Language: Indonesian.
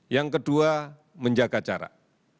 yang kedua menjaga jarak